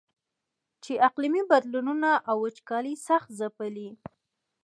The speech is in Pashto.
چې اقلیمي بدلونونو او وچکالۍ سخت ځپلی.